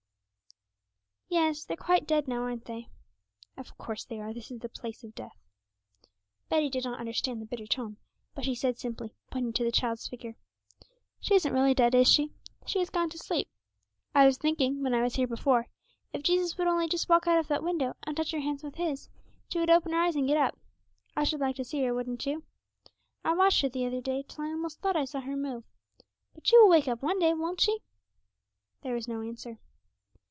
'Yes; they're quite dead now, aren't they?' 'Of course they are; this is the place of death.' Betty did not understand the bitter tone; but she said simply, pointing to the child's figure, 'She isn't really dead, is she? She has gone to sleep. I was thinking, when I was here before, if Jesus would only just walk out of that window and touch her hands with His, she would open her eyes and get up. I should like to see her, wouldn't you? I watched her the other day till I almost thought I saw her move. But she will wake up one day, won't she?' There was no answer.